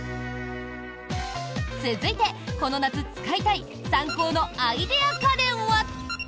続いて、この夏使いたいサンコーのアイデア家電は。